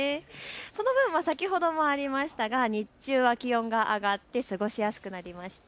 その分、先ほどもありましたが日中は気温が上がって過ごしやすくなりました。